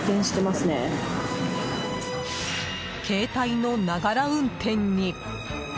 携帯の、ながら運転に。